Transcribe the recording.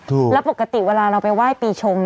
แล้วปกติเวลาเราไปไหว้ปีชง